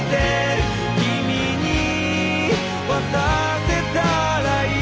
「君に渡せたらいい」